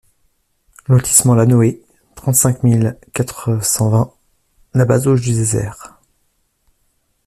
Lotissement La Noë, trente-cinq mille quatre cent vingt La Bazouge-du-Désert